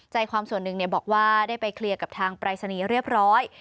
ใจความส่วนหนึ่งบอกว่าได้ไปเคลียร์กับทางปรายศนีย์เรียบร้อย